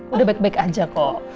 udah baik baik aja kok